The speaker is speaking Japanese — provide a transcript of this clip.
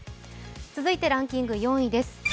続いてランキング４位です。